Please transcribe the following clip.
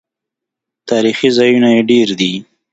تاریخي ځایونه یې ډیر دي.